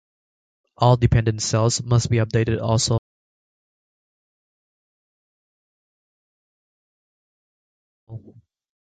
All dependent cells must be updated also.